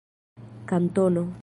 kantono